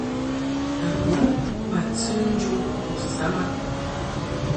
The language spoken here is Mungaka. A bɔŋ ma tɨ njo u ni nsam a.